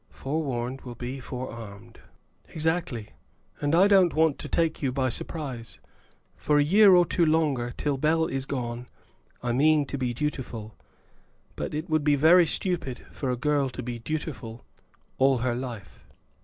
"Forewarned will be forearmed." "Exactly; and I don't want to take you by surprise. For a year or two longer, till Bell is gone, I mean to be dutiful; but it would be very stupid for a girl to be dutiful all her life."